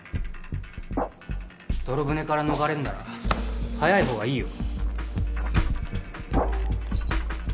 泥船から逃れるなら早いほうがいいよ